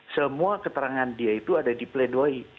semua keterangan dia itu ada di pledoi